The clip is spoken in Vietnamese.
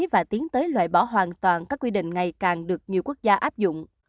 và tiến tới loại bỏ hoàn toàn các quy định ngày càng được nhiều quốc gia áp dụng